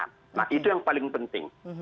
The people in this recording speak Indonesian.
nah itu yang paling penting